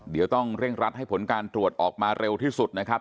เดี๋ยวต้องเร่งรัดให้ผลการตรวจออกมาเร็วที่สุดนะครับ